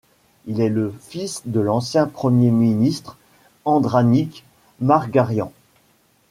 Il est le fils de l'ancien Premier ministre Andranik Margarian.